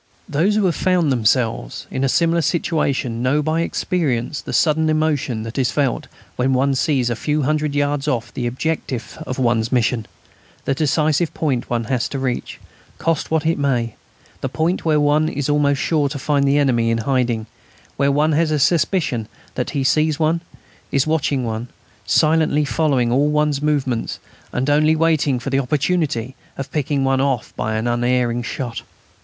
Those who have found themselves in a similar situation know by experience the sudden emotion that is felt when one sees a few hundred yards off the objective of one's mission, the decisive point one has to reach, cost what it may; the point where one is almost sure to find the enemy in hiding, where one has a suspicion that he sees one, is watching one, silently following all one's movements, and only waiting for the opportunity of picking one off by an unerring shot.